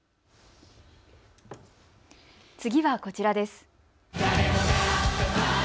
次はこちらです。